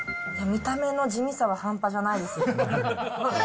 見た目の地味さは半端じゃないです。